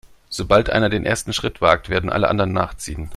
Sobald einer den ersten Schritt wagt, werden alle anderen nachziehen.